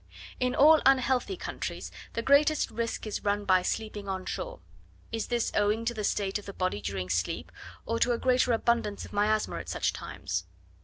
In all unhealthy countries the greatest risk is run by sleeping on shore. Is this owing to the state of the body during sleep, or to a greater abundance of miasma at such times?